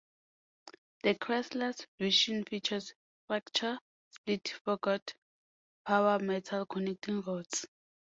The Chrysler version features fracture-split forged powder metal connecting rods.